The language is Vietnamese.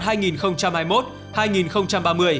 giai đoạn hai nghìn hai mươi một hai nghìn ba mươi